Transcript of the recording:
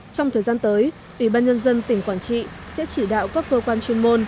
trong thời gian tới ủy ban nhân dân tỉnh quảng trị sẽ chỉ đạo các cơ quan chuyên môn